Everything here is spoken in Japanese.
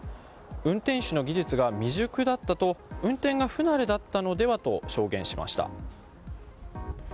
運転手の技術が未熟だったと運転が不慣れだったのではと証言しました。